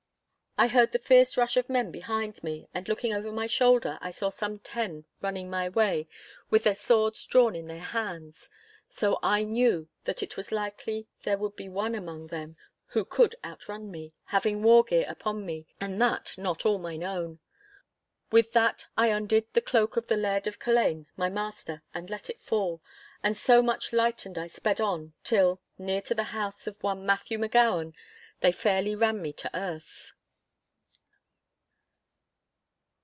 I heard the fierce rush of men behind me, and looking over my shoulder I saw some ten running my way with their swords drawn in their hands. So I knew that it was likely there would be one among them who could outrun me, having war gear upon me and that not all mine own. With that I undid the cloak of the Laird of Culzean, my master, and let it fall; and so much lightened I sped on till, near to the house of one Matthew M'Gowan, they fairly ran me to earth.